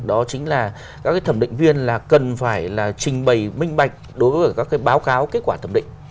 đó chính là các cái thẩm định viên là cần phải là trình bày minh bạch đối với các cái báo cáo kết quả thẩm định